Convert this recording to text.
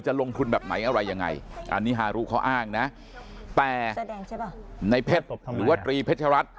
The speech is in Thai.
ลงทุนแบบไหนอะไรยังไงอันนี้ฮารุเขาอ้างนะแต่แสดงใช่ป่ะในเพชรหรือว่าตรีเพชรัตน